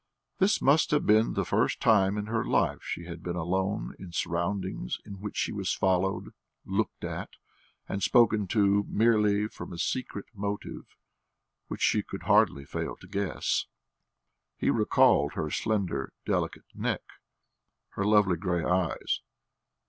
This must have been the first time in her life she had been alone in surroundings in which she was followed, looked at, and spoken to merely from a secret motive which she could hardly fail to guess. He recalled her slender, delicate neck, her lovely grey eyes.